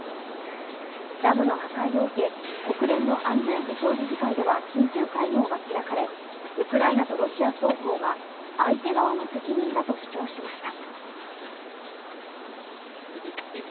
ダムの破壊を受け、国連の安全保障理事会では緊急会合が開かれウクライナとロシア双方が相手側の責任だと主張しました。